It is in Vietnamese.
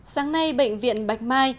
sáng nay bệnh viện bạch mai